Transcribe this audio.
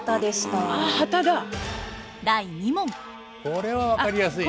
これは分かりやすいよ。